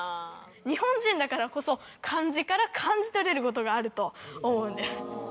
日本人だからこそ漢字から感じ取れることがあると思うんです。